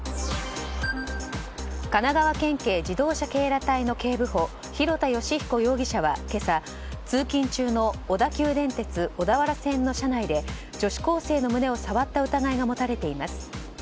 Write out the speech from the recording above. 神奈川県警自動車警ら隊の警部補廣田純彦容疑者は今朝通勤中の小田急電鉄小田原線の車内で女子高生の胸を触った疑いが持たれています。